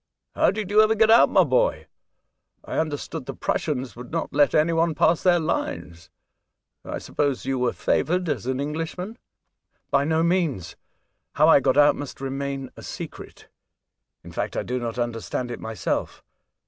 ''How did you ever get out, my boy? I understood the Prussians would not let any one pass their lines. I suppose you were favoured as an Englishman ?"" By no means. How I got out must remain a secret ; in fact, I do not understand it myself.